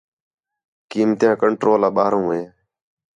قیمتیاں کنٹرول آ ٻاہروں ہے